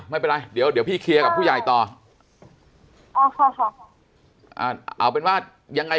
ไม่เป็นไรเดี๋ยวเดี๋ยวพี่เคลียร์กับผู้ใหญ่ต่ออ๋อค่ะอ่าเอาเป็นว่ายังไง